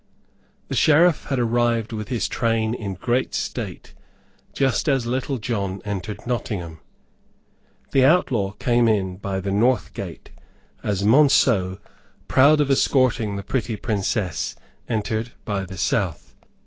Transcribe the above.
The Sheriff had arrived with his train in great state, just as Little John entered Nottingham. The outlaw came in by the north gate, as Monceux, proud of escorting the pretty Princess, entered by the south.